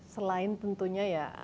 selain tentunya perusahaan